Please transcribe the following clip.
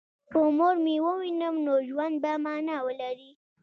که مور مې ووینم نو ژوند به مانا ولري